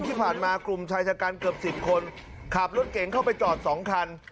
ที่ผ่านมากลุ่มชายชะกันเกือบ๑๐คนขับรถเก่งเข้าไปจอด๒คัน